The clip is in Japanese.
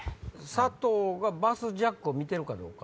佐藤が『バスジャック』を見てるかどうか。